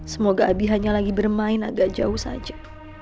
semoga abi hanya lagi bermain agak jauh saja